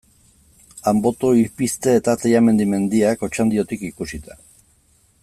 Anboto, Ipizte eta Tellamendi mendiak, Otxandiotik ikusita.